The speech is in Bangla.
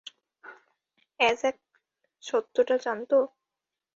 অ্যাজাক সত্যটা জানতো?